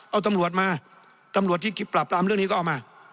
เอาตำรวจมาตำรวจที่ปราบปรามเรื่องนี้ก็เอามา